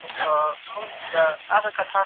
جهاني تا خو د قلم رنګونه ستړي کړله